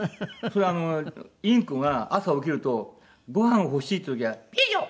それインコが朝起きるとごはん欲しい時は「ピギョ！